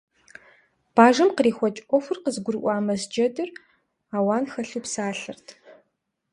Бажэм кърихуэкӀ Ӏуэхур къызыгурыӀуа Мэз джэдыр ауэн хэлъу псалъэрт.